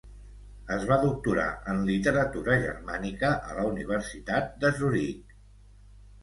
Es va doctorar en literatura germànica a la Universitat de Zurich.